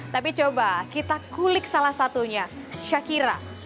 tapi coba kita kulik salah satunya syakira